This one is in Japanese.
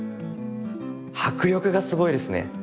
迫力がすごいですね。